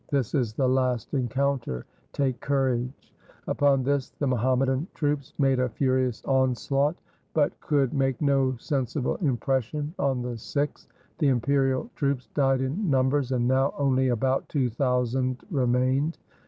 This is the last encounter. Take courage.' Upon this the Muham madan troops made a furious onslaught, but could make no sensible impression on the Sikhs. The imperial troops died in numbers, and now only about two thousand remained.